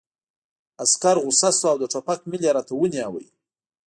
عسکر غوسه شو او د ټوپک میل یې راته ونیو